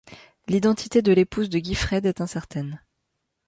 L'identité de l'épouse de Guifred est incertaine.